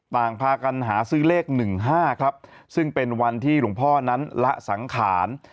ต่างพากันหาซื้อเลข๑๕ครับซึ่งเป็นวันที่หลวงพ่อนั้นละสังขาร